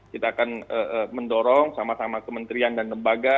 kita akan mendorong sama sama kementerian dan lembaga